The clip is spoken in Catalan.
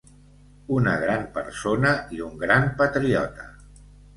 Una gran persona i un gran patriota.